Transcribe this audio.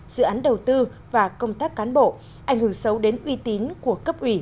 dự án đầu tư và công tác cán bộ ảnh hưởng xấu đến uy tín của cấp ủy